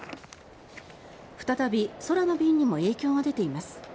再び空の便にも影響が出ています。